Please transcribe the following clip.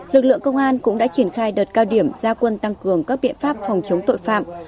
lực lượng công an cũng đã triển khai đợt cao điểm gia quân tăng cường các biện pháp phòng chống tội phạm